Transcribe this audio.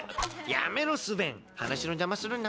やめろスベン話の邪魔をするな。